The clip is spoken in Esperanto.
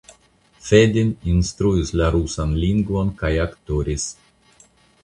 Fedin instruis la rusan lingvon kaj aktoris.